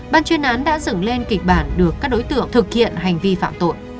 ban chuyên án đã dựng lên kịch bản được các đối tượng thực hiện hành vi phạm tội